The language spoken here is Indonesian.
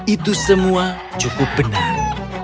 itu semua cukup benar